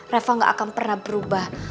reva gak akan pernah berubah